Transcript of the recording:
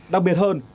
đặc biệt hơn